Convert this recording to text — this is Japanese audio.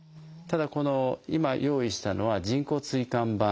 ただこの今用意したのは人工椎間板。